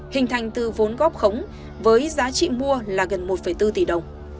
hình thành từ vốn góp khống với giá trị mua là gần một bốn tỷ đồng